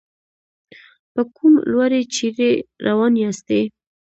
په کوم لوري چېرې روان ياستئ.